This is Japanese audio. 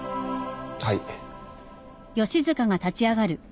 はい。